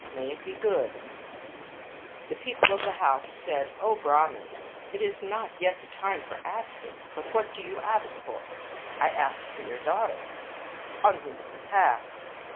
May it be good I " The people of the house said, " O Brahman, it is not yet the time for asking; but what do you ask for?" " I ask for your daughter." "On whose behalf?"